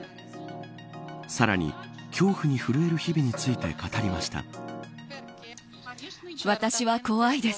さらに、恐怖に震える日々について語りました。